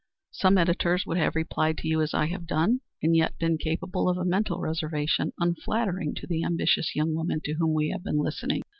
Some editors would have replied to you as I have done, and yet been capable of a mental reservation unflattering to the ambitious young woman to whom we have been listening.